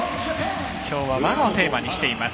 きょうは和をテーマにしています。